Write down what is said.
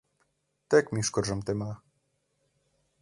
Тек мӱшкыржым тема.